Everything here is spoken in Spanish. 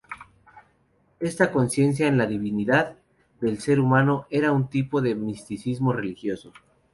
Esta conciencia en la divinidad del ser humano era un tipo de misticismo religioso.